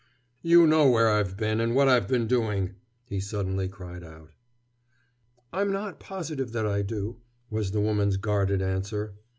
"You know where I've been and what I've been doing!" he suddenly cried out. "I'm not positive that I do," was the woman's guarded answer.